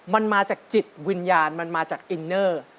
มันมาจากจิตวิญญาณมันมาจากอินเนอร์